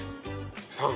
３。